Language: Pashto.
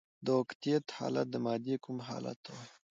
د اوکتیت حالت د مادې کوم حال ته وايي؟